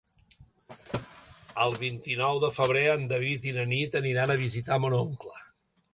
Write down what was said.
El vint-i-nou de febrer en David i na Nit aniran a visitar mon oncle.